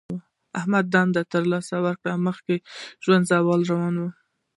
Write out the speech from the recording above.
احمد دنده له لاسه ورکړه. ژوند یې مخ په زوال روان دی.